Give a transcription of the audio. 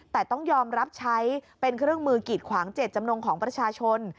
แต่ต้องยอมรับใช้เป็นเครื่องมือกีดขวางเจ็ดจำนงของประชาชน